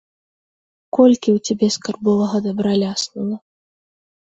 Колькі ў цябе скарбовага дабра ляснула?